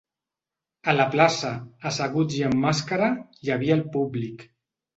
A la plaça, asseguts i amb màscara, hi havia el públic.